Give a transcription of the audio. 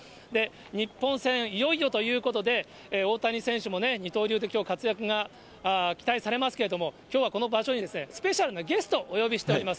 日本戦、いよいよということで、大谷選手もね、二刀流できょう、活躍が期待されますけれども、きょうはこの場所にですね、スペシャルなゲストをお呼びしております。